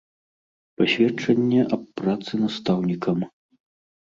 Пасведчанне аб працы настаўнікам.